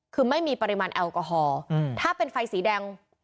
คือไม่มีปริมาณแอลกอฮอล์ถ้าเป็นไฟสีแดง